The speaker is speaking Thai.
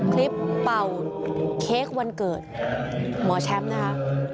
เป่าเค้กวันเกิดหมอแชมป์นะคะ